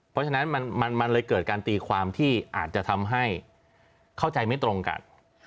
เพราะฉะนั้นมันเลยเกิดการตีความที่อาจจะทำให้เข้าใจไม่ตรงกัน